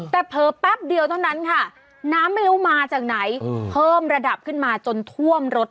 แต่เผลอแป๊บเดียวเท่านั้นค่ะน้ำไม่รู้มาจากไหนเพิ่มระดับขึ้นมาจนท่วมรถ